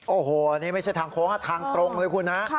โอ้โฮอันนี้ไม่ใช่ทางโค้งครับทางตรงเลยครับคุณฮะ